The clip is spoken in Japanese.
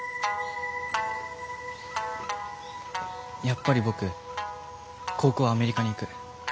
やっぱり僕高校はアメリカに行く。